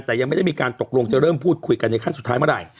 แต่ยังไม่ได้มีการตกลงจะเริ่มพูดคุยกันในขั้นสุดท้ายเมื่อไหร่